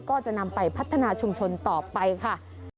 ก็จะนำไปพัฒนาชุมชนต่อไปค่ะ